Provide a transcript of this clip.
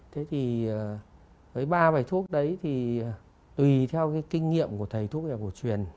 thế thì với ba bài thuốc đấy thì tùy theo cái kinh nghiệm của thầy thuốc hiệu của truyền